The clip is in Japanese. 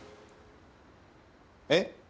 えっ？